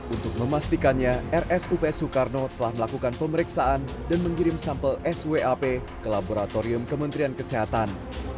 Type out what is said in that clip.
untuk memastikannya rsups soekarno telah melakukan pemeriksaan dan mengirim sampel swap ke laboratorium kementerian kesehatan